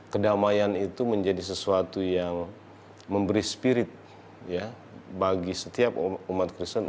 kedamaian itu menjadi sesuatu yang memberi spirit bagi setiap umat kristen